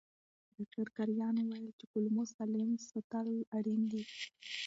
ډاکټر کرایان وویل چې کولمو سالم ساتل اړین دي.